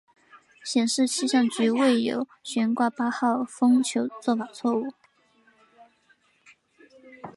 显示气象局未有悬挂八号风球做法错误。